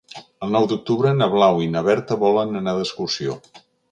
El nou d'octubre na Blau i na Berta volen anar d'excursió.